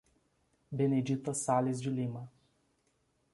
Benedita Sales de Lima